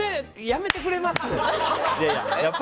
やめてくれます？